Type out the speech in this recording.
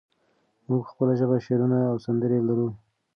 موږ په خپله ژبه شعرونه او سندرې لرو.